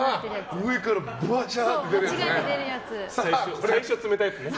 上からバシャーって出るやつね。